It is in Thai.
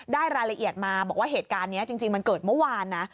รายละเอียดมาบอกว่าเหตุการณ์นี้จริงมันเกิดเมื่อวานนะ